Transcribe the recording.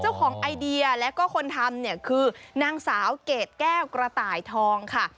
เจ้าของไอดียาก็คนทำเนี่ยคือนางสาวเก่กแก้วกระต่ายทองค่ะ